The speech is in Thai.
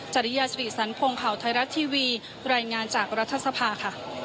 จริยาสิริสันพงศ์ข่าวไทยรัฐทีวีรายงานจากรัฐสภาค่ะ